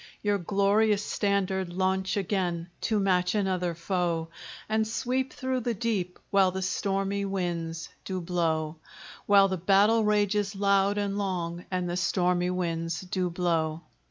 Your glorious standard launch again To match another foe! And sweep through the deep, While the stormy winds do blow; While the battle rages loud and long, And the stormy winds do blow.